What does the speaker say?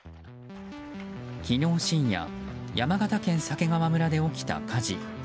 昨日深夜山形県鮭川村で起きた火事。